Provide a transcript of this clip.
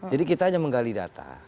kita hanya menggali data